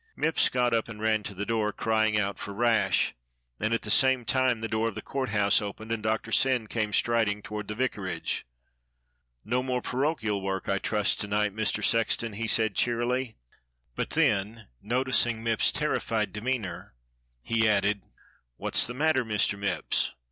Mipps got up and ran to the door, crying out for Rash, and at the same time the door of the Court House opened and Doctor Syn came striding toward the vicarage. "No more parochial work, I trust to night, Mr. Sex ton.^" he said cheerily, but then noticing Mipps's terri fied demeanour he added: "What's the matter, Mr. Mipps